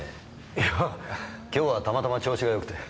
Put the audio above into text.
いやぁ今日はたまたま調子が良くて。